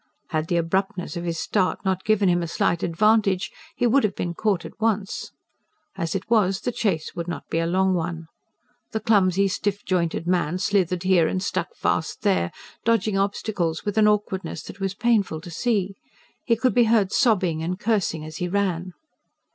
Had the abruptness of his start not given him a slight advantage, he would have been caught at once. As it was, the chase would not be a long one; the clumsy, stiff jointed man slithered here and stuck fast there, dodging obstacles with an awkwardness that was painful to see. He could be heard sobbing and cursing as he ran.